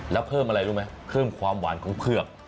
แล้วเพิ่มอะไรรู้ไหมเพิ่มความหวานของเผือก